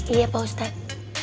iya pak ustadz